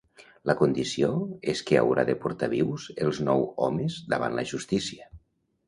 La condició és que haurà de portar vius els nou homes davant la justícia.